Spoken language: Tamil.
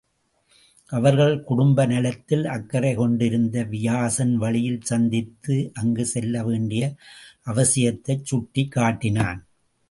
அவர்கள் குடும்ப நலத்தில் அக்கரை கொண்டிருந்த வியாசன் வழியில் சந்தித்து அங்குச் செல்ல வேண்டிய அவசியத்தைச் சுட்டிக் காட்டினான்.